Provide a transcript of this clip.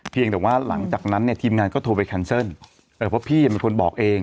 เพียงแต่ว่าหลังจากนั้นเนี่ยทีมงานก็โทรไปแคนเซิลเพราะพี่เป็นคนบอกเอง